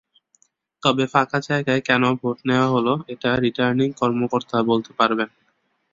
তবে ফাঁকা জায়গায় কেন ভোট নেওয়া হলো, এটা রিটার্নিং কর্মকর্তা বলতে পারবেন।